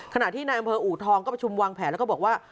ขณะที่นายอำเภออูทองก็ประชุมวางแผนแล้วก็บอกว่า